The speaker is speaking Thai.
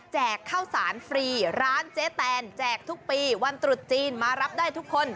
ข้าวสารฟรีร้านเจ๊แตนแจกทุกปีวันตรุษจีนมารับได้ทุกคน